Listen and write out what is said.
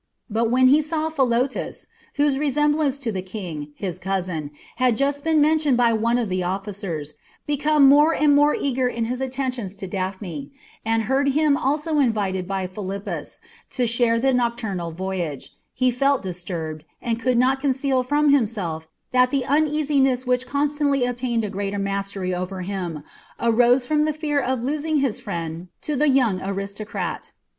But when he saw Philotas, whose resemblance to the King, his cousin, had just been mentioned by one of the officers, become more and more eager in his attentions to Daphne, and heard him also invited by Philippus to share the nocturnal voyage, he felt disturbed, and could not conceal from himself that the uneasiness which constantly obtained a greater mastery over him arose from the fear of losing his friend to the young aristocrat.